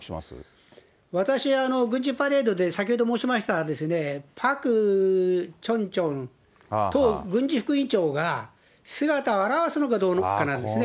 私は軍事パレードで、先ほど申しました、パク・チョンチョン党軍事副委員長が姿を現すのかどうかなんです